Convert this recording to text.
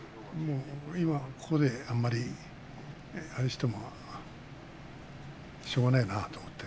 今ここで、あまり、あれしてもしょうがないなと思って。